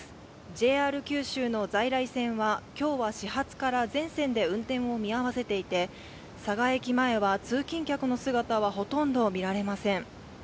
ＪＲ九州の在来線は今日は始発から全線で運転を見合わせていて佐賀駅前は通勤客の姿はほとんど見られません。